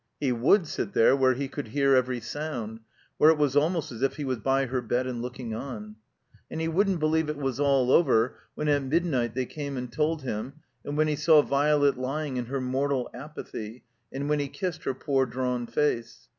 He wotdd sit there where he could hear every sound, where it was almost as if he was by her bed and looking on. And he wouldn't believe it was all over when at midnight they came and told him, and when he saw ^^olet lying in her mortal apathy, and when he kissed her poor drawn face.